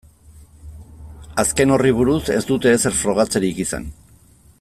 Azken horri buruz ez dute ezer frogatzerik izan.